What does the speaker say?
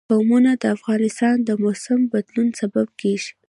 قومونه د افغانستان د موسم د بدلون سبب کېږي.